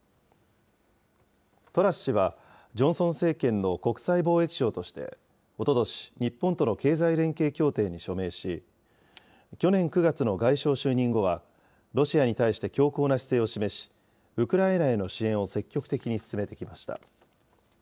トラス氏はジョンソン政権の国際貿易相として、おととし、日本との経済連携協定に署名し、去年９月の外相就任後は、ロシアに対して強硬な姿勢を示し、ウクライナへの支援を積極的に進めてきました。